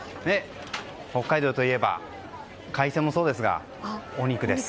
北海道といえば海鮮もそうですがお肉です。